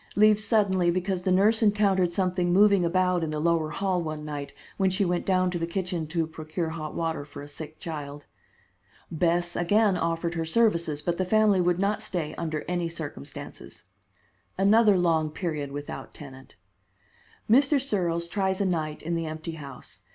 Leaves suddenly because the nurse encountered something moving about in the lower hall one night when she went down to the kitchen to procure hot water for a sick child. Bess again offered her services, but the family would not stay under any circumstances. Another long period without tenant. Mr. Searles tries a night in the empty house.